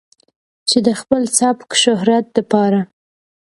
چې د خپل سپک شهرت د پاره